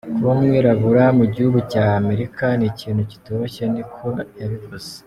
kuba umwirabure mu gihugu ca Amerika n'ikintu kitoroshe," ni ko yavuze.